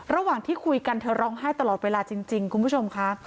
ระหว่างที่คุยกันเธอร้องไห้ตลอดเวลาจริงคุณผู้ชมค่ะ